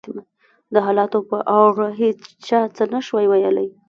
د حالاتو په اړه هېڅ چا څه نه شوای ویلای.